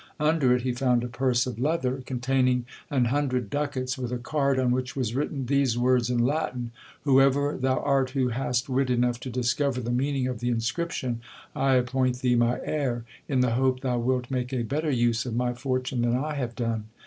Under it he found a purse of leather, containing an hundred ducats with a card on which was written these words in Latin :" Whoever thou art who hast wit enough to discover the meaning of the inscription, I appoint thee my heir, in the hope thou wilt make a better use of my fortune than I have done